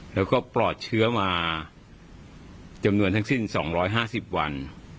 แล้วก็ปลอดเชื้อมาจำนวนทั้งสิ้น๒๕๐วัน